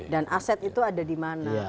dan aset itu ada di mana